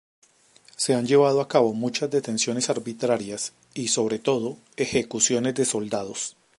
Se han llevado a cabo muchas detenciones arbitrarias y, sobre todo, ejecuciones de soldados.